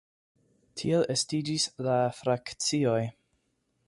Tiel estiĝis la frakcioj.